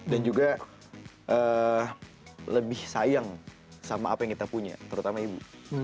dan juga lebih sayang sama apa yang kita punya terutama ibu